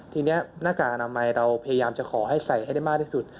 ทีนี้หน้ากากอนามัยเราพยายามจะขอให้ใส่ให้ได้มากที่สุด